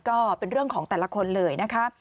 ก็เป็นเรื่องของแต่ละคนเลยนะคะ